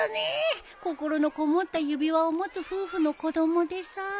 心のこもった指輪を持つ夫婦の子供でさ。